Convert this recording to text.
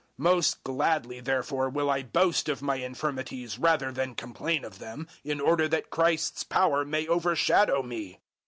Most gladly therefore will I boast of my infirmities rather than complain of them in order that Christ's power may overshadow me.